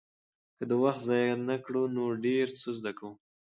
که وخت ضایع نه کړو نو ډېر څه زده کوو.